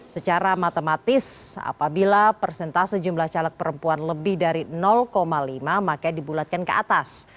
secara matematis apabila persentase jumlah caleg perempuan lebih dari lima makanya dibulatkan ke atas